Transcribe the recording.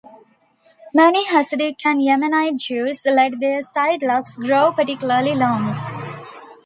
Many Hasidic and Yemenite Jews let their sidelocks grow particularly long.